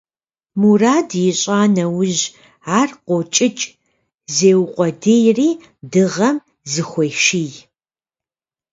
Мурад ищӀа нэужь, ар къокӀыкӀ, зеукъуэдийри дыгъэм зыхуеший.